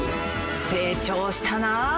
成長したなぁ。